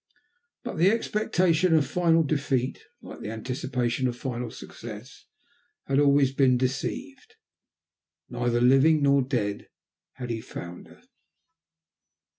But the expectation of final defeat, like the anticipation of final success, had been always deceived. Neither living nor dead had he found her.